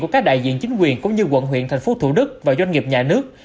của các đại diện chính quyền cũng như quận huyện tp hcm và doanh nghiệp nhà nước